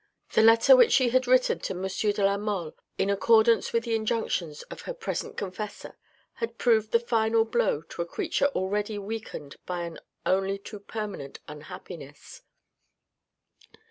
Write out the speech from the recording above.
The letter which she had written to M. de la Mole in accordance with the injunctions of her present confessor, had proved the final blow to a creature already weakened by an only too permanent unhappiness.